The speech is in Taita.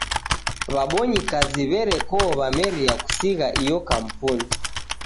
W'abonyi kazi w'erekoo w'ameria kusigha iyo kampuni.